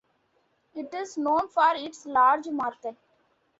It is known for its large market.